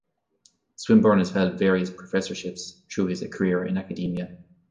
Swinburne has held various professorships through his career in academia.